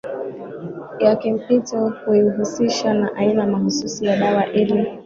ya kimpito huihusisha na aina mahususi ya dawa ili